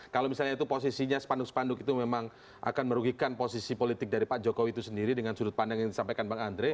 kalau misalnya itu posisinya sepanduk spanduk itu memang akan merugikan posisi politik dari pak jokowi itu sendiri dengan sudut pandang yang disampaikan bang andre